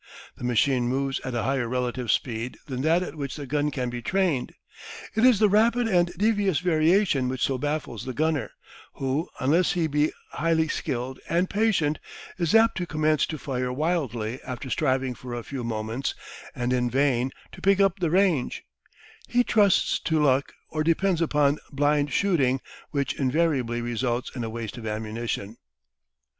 The machine moves at a higher relative speed than that at which the gun can be trained. It is the rapid and devious variation which so baffles the gunner, who unless he be highly skilled and patient, is apt to commence to fire wildly after striving for a few moments, and in vain, to pick up the range; he trusts to luck or depends upon blind shooting, which invariably results in a waste of ammunition.